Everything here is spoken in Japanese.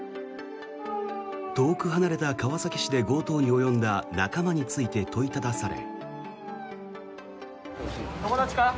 遠く離れた川崎市で強盗に及んだ仲間について問いただされ。